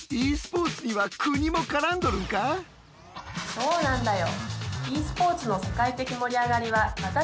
そうなんだよ。